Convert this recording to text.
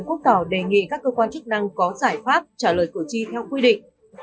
quốc tỏ đề nghị các cơ quan chức năng có giải pháp trả lời cử tri theo quy định